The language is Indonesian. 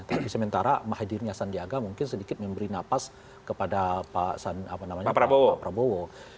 tapi sementara mahairnya sandiaga mungkin sedikit memberi napas kepada pak prabowo